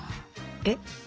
えっ？